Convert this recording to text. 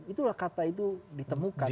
itulah kata itu ditemukan